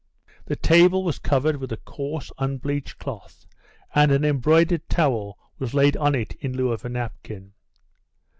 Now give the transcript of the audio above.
The table was covered with a coarse, unbleached cloth and an embroidered towel was laid on it in lieu of a napkin.